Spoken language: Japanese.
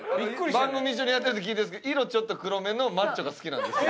番組一緒にやってる時聞いたんですけど色ちょっと黒めのマッチョが好きなんです。